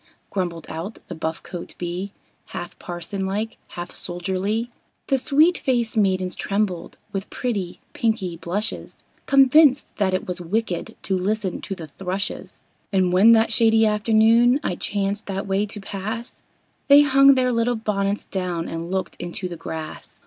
Grumbled out the buff coat Bee, Half parson like, half soldierly. The sweet faced maidens trembled, with pretty, pinky blushes, Convinced that it was wicked to listen to the thrushes; And when that shady afternoon, I chanced that way to pass, They hung their little bonnets down and looked into the grass.